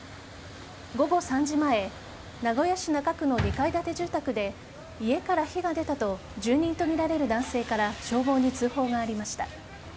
午後３時前名古屋市中区の２階建て住宅で家から火が出たと住人とみられる男性から消防に通報がありました。